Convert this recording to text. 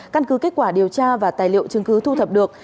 căn cứ kết quả điều tra và tài liệu chứng cứ thu thập được